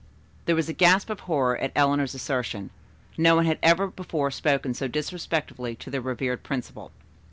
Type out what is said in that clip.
There was a gasp of horror at Eleanor's assertion. No one had ever before spoken so disrespectfully to their revered principal.